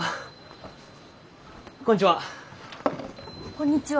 こんにちは。